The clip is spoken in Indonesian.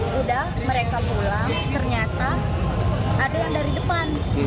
ya udah mereka pulang ternyata ada yang dari depan